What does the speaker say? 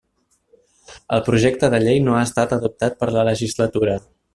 El projecte de llei no ha estat adoptat per la legislatura.